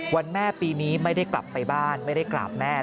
แม่ปีนี้ไม่ได้กลับไปบ้านไม่ได้กราบแม่